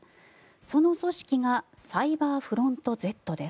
その組織がサイバーフロントＺです。